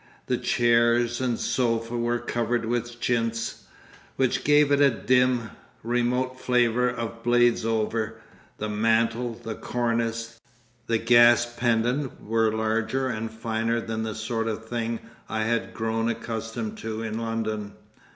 The chairs and sofa were covered with chintz which gave it a dim, remote flavour of Bladesover; the mantel, the cornice, the gas pendant were larger and finer than the sort of thing I had grown accustomed to in London.